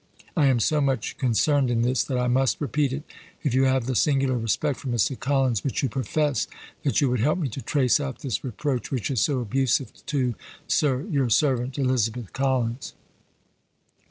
I am so much concerned in this, that I must repeat it, if you have the singular respect for Mr. Collins which you profess, that you would help me to trace out this reproach, which is so abusive to, Sir, Your servant, ELIZ. COLLINS.